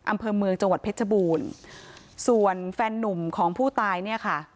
อำเภอเมืองจังหวัดเพชรบูรณ์ส่วนแฟนนุ่มของผู้ตายเนี่ยค่ะ